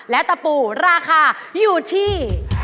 และตะปูราคาอยู่ที่